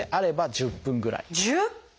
１０分！